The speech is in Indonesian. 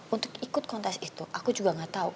untuk ikut kontes itu aku juga gak tahu